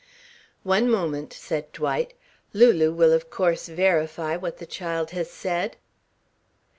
"One moment," said Dwight. "Lulu will of course verify what the child has said."